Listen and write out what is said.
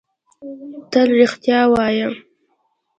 تل رښتیا وایۀ!